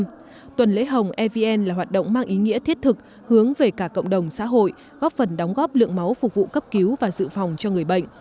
trong tuần lễ hồng evn là hoạt động mang ý nghĩa thiết thực hướng về cả cộng đồng xã hội góp phần đóng góp lượng máu phục vụ cấp cứu và dự phòng cho người bệnh